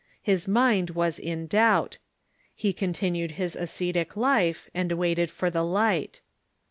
His mind was in doubt. He continued his ascetic life, and waited for the light.